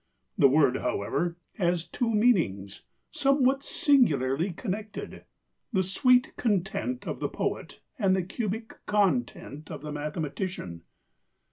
The word, however, has two meanings, somewhat singularly connected; the "sweet content" of the poet and the "cubic content" of the mathematician.